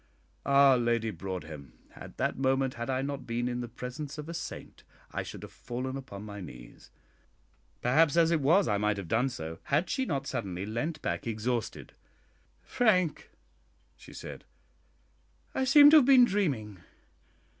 Ah, Lady Broadhem! at that moment, had I not been in the presence of a "saint," I should have fallen upon my knees. Perhaps as it was I might have done so, had she not suddenly leant back exhausted. "Frank," she said, "I seem to have been dreaming.